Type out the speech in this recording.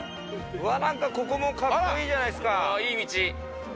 なんかここもカッコいいじゃないですか。